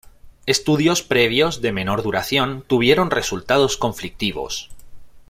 Estudios previos de menor duración tuvieron resultados conflictivos.